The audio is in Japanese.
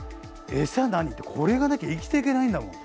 餌何ってこれがなきゃ生きていけないんだもん。